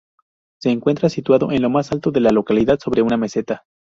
Se encuentra situado en lo más alto de la localidad sobre una meseta.